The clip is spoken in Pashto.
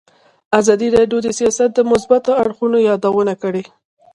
ازادي راډیو د سیاست د مثبتو اړخونو یادونه کړې.